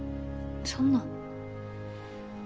そんな。